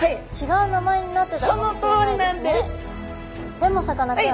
でもさかなクン